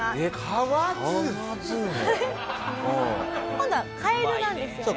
今度はカエルなんですよね？